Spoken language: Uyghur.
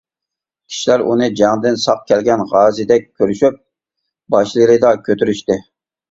كىشىلەر ئۇنى جەڭدىن ساق كەلگەن غازىدەك كۆرۈشۈپ باشلىرىدا كۆتۈرۈشتى.